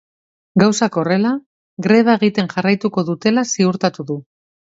Gauzak horrela, greba egiten jarraituko dutela ziurtatu du.